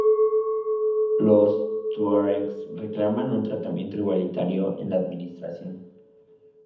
Los tuaregs reclaman un tratamiento igualitario en la administración.